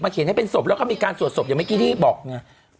เขียนให้เป็นศพแล้วก็มีการสวดศพอย่างเมื่อกี้ที่บอกไง